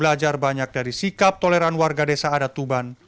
belajar banyak dari sikap toleran warga desa adat tuban